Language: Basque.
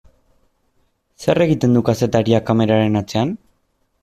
Zer egiten du kazetariak kameraren atzean?